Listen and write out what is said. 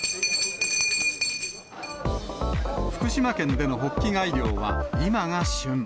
福島県でのホッキ貝漁は、今が旬。